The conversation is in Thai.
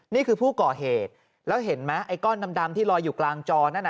นี่คือผู้ก่อเหตุแล้วเห็นไหมไอ้ก้อนดำที่ลอยอยู่กลางจอนั่นน่ะ